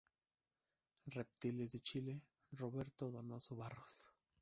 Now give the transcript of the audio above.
Reptiles de Chile, Roberto Donoso-Barros.